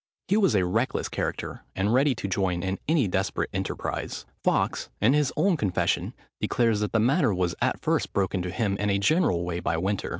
He was a reckless character, and ready to join in any desperate enterprise. Fawkes, in his own confession, declares, that the matter was at first broken to him in a general way by Winter.